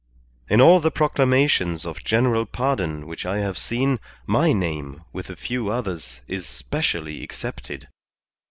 In all the proclamations of general pardon which I have seen, my name, with a few others, is specially excepted.